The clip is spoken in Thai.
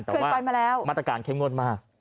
ถ้าว่ามาตรการเข้มโมดมาก